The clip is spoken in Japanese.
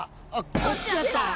こっちだった！